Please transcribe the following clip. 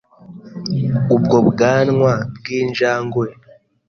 ubwo bwanwa bw’injangwe